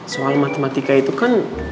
soal matematika itu kan